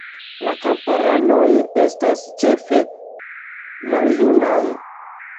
La kamparanoj estas ĉefe maljunaj.